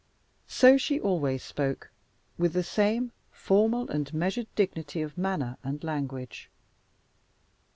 So she always spoke, with the same formal and measured dignity of manner and language.